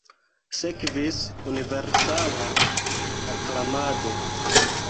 Sekvis universala aklamado.